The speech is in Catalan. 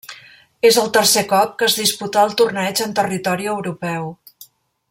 És el tercer cop que es disputà el torneig en territori europeu.